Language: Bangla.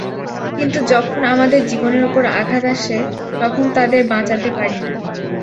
কিন্তু যখন আমাদের জীবনের ওপর আঘাত আসে, তখন তাদের বাঁচাতে পারি না।